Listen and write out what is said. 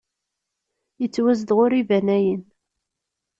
Yettwazdeɣ ur iban ayen!